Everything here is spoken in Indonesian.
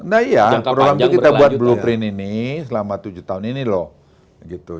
nah iya program itu kita buat blueprint ini selama tujuh tahun ini loh